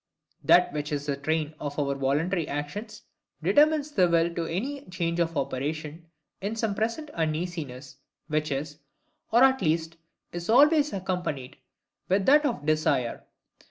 That which in the train of our voluntary actions determines the will to any change of operation is SOME PRESENT UNEASINESS, which is, or at least is always accompanied with that of DESIRE.